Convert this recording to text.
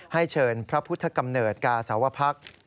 ให้เชิญพระพุทธกำเนิดกาสาวพรรค